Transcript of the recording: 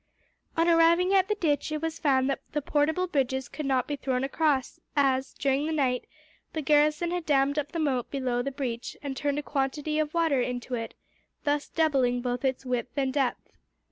On arriving at the ditch, it was found that the portable bridges could not be thrown across as, during the night, the garrison had dammed up the moat below the breach and turned a quantity of water into it, thus doubling both its width and depth.